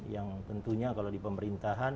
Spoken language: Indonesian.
yang tentunya kalau di pemerintahan